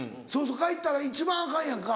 帰ったら一番アカンやんか。